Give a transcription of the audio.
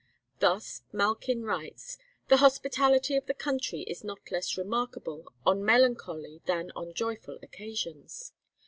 Thus Malkin writes: 'The hospitality of the country is not less remarkable on melancholy than on joyful occasions.